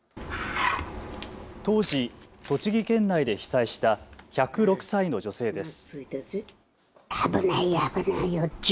当時、栃木県内で被災した１０６歳の女性です。